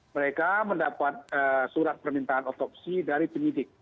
mereka mendapat surat permintaan otopsi dari penyidik